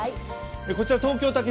こちら東京・竹芝